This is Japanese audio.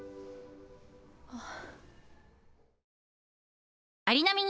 ああ。